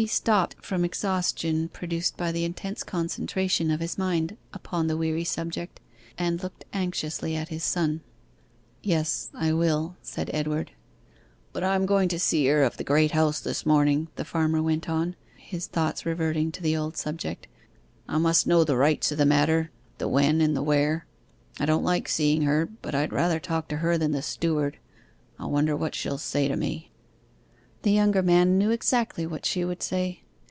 He stopped from exhaustion produced by the intense concentration of his mind upon the weary subject, and looked anxiously at his son. 'Yes, I will,' said Edward. 'But I am going to see her of the Great House this morning,' the farmer went on, his thoughts reverting to the old subject. 'I must know the rights of the matter, the when and the where. I don't like seeing her, but I'd rather talk to her than the steward. I wonder what she'll say to me.' The younger man knew exactly what she would say.